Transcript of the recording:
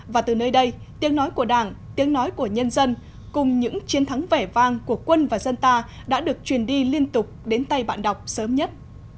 và từ nơi đây tiếng nói của đảng tiếng nói của nhân dân cùng những chiến thắng vẻ vang của quân và dân ta đã được truyền đi liên tục đến tay bạn đọc sớm nhất